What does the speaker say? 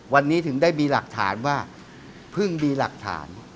วันนี้ถึงได้มีหลักฐานว่าเพิ่งมีหลักฐาน